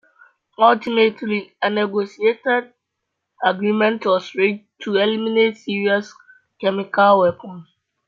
Ultimately a negotiated agreement was reached to eliminate Syria's chemical weapons.